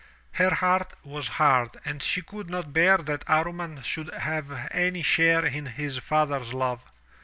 Her heart was hard and she could not bear that Amman should have any share in his father's love.